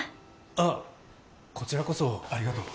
あっこちらこそありがとう